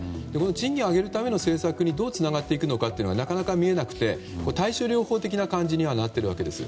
賃金を上げるための政策にどうつながっていくのかがなかなか見えなくて対処療法的な感じになっているわけです。